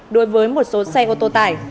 đối với một số xe ô tô tải